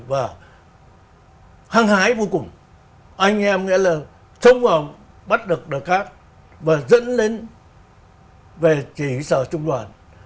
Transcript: và hăng hái vô cùng anh em nghĩa là sống vào bắt đực đức các và dẫn lên về chỉ huy sở trung đoàn